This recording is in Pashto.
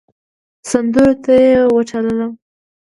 سندرو ته يې وبللم .